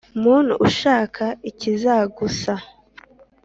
muntu ushaka icyizagusa